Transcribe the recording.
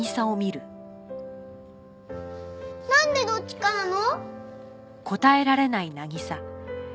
なんでどっちかなの？